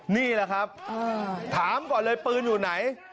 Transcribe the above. นี่แหละครับถามก่อนเลยปืนอยู่ไหน